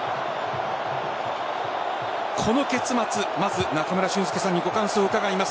この結末、まず中村俊輔さんにご感想を伺います。